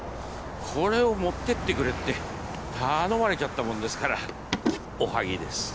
これを持ってってくれって頼まれちゃったもんですからおはぎです